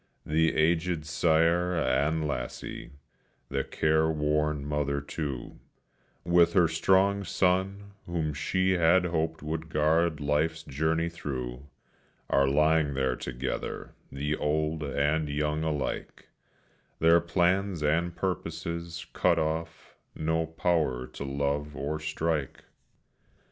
The aged sire and lassie; the careworn mother, too, With her strong son, whom she had hoped would guard life's journey thro', Are lying there together, the old and young alike; Their plans and purposes cut off, no power to love or strike.